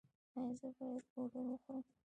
ایا زه باید پوډر وخورم؟